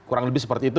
kurang lebih seperti itu